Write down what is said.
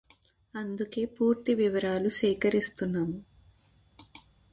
అందుకే పూర్తి వివరాలు సేకరిస్తున్నాము